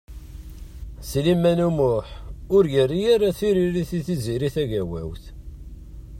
Sliman U Muḥ ur yerri ara tiririt i Tiziri Tagawawt.